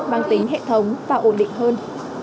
bằng tính hệ thống và ổn định hơn